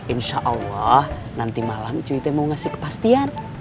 insya allah nanti malam cuy teh mau kasih kepastian